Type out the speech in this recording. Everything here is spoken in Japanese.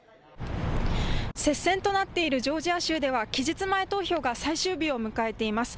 接戦となっているジョージア州では期日前投票が最終日を迎えています。